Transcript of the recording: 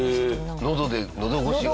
喉で喉ごしが？